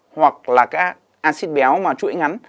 hoặc là các acid béo mà chuỗi ngắn